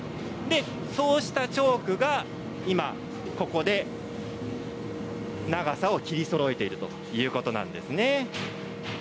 そうしたチョークが今ここで長さを切りそろえているということなんですね。